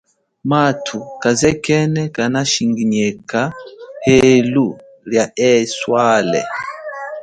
Mathu kazekene kanashinginyeka helu lia iswale.